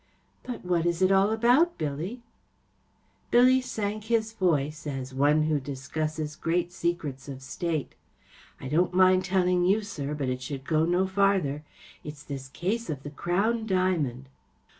" But what is it all about* Billy ? ‚ÄĚ Billy sank his voice, as one who discusses great secrets of State. “ I don't mind telling you, sir, but it should go no farther. It’s this case of the Crown diamond."